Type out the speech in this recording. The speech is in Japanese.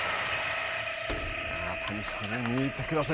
谷さん、見てください